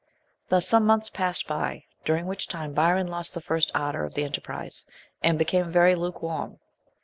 Thus some months passed by, during which time Byron lost the first ardour of the enterprise, and became very lukewarm.